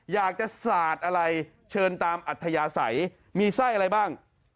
อยากจะสาดอะไรเชิญตามอัธยาศัยมีไส้อะไรบ้าง